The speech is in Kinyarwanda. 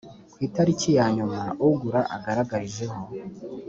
ku itariki ya nyuma ugura agaragarijeho